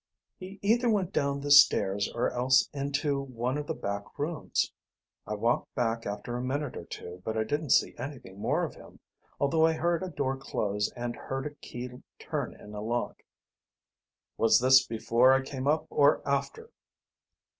"He either went down the stairs or else into one of the back rooms. I walked back after a minute or two, but I didn't see anything more of him, although I heard a door close and heard a key turn in a lock." "Was this before I came up or after?"